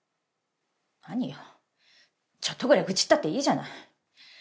何よちょっとぐらい愚痴ったっていいじゃない。